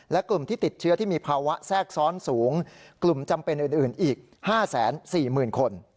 และกลุ่มที่ติดเชื้อที่มีภาวะแทรกซ้อนสูงกลุ่มจำเป็นอื่นอีก๕๔๐๐๐คน